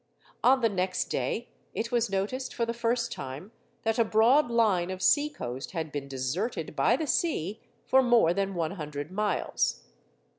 On the next day, it was noticed for the first time that a broad line of sea coast had been deserted by the sea for more than one hundred miles.